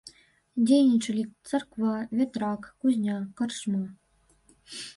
Дзейнічалі царква, вятрак, кузня, карчма.